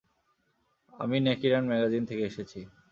আমি ন্যাকিরান ম্যাগাজিন থেকে এসেছি।